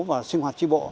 và sinh hoạt tri bộ